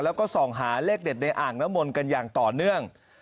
แล้วก็ส่องหาเลขเด็ดในอ่างน้ำมนต์กันอย่างต่อเนื่อง